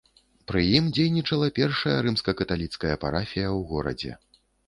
Пры ім дзейнічала першая рымска-каталіцкая парафія у горадзе.